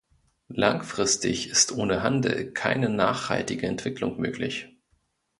Langfristig ist ohne Handel keine nachhaltige Entwicklung möglich.